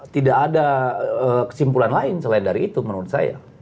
tidak ada kesimpulan lain selain dari itu menurut saya